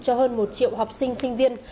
cho hơn một triệu học sinh sinh viên